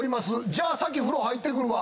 じゃあ先風呂入ってくるわ。